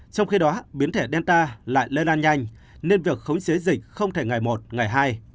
trong khi đó biến thể delta lại lây lan nhanh nên việc khống chế dịch không thể ngày một ngày hai